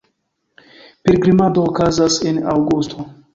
Pilgrimado okazas en aŭgusto.